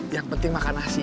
yang penting makan nasi